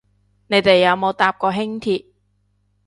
你哋有冇搭過輕鐵